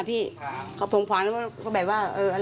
พรงฟากแล้วก็แบบว่า